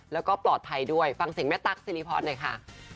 แล้วก็ปลอดภัยด้วยฟังเสียงแม่ตั๊กสิริพรหน่อยค่ะ